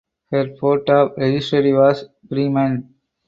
Her port of registry was Bremen.